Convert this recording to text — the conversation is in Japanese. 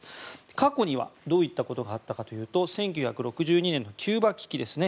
過去にはどういったことがあったかというと１９６２年のキューバ危機です。